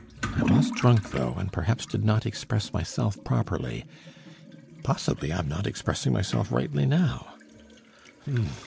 I was drunk, though, and perhaps did not express myself properly. Possibly I am not expressing myself rightly now....